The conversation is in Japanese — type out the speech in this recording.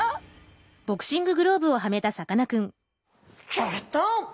ギョギョッと押忍！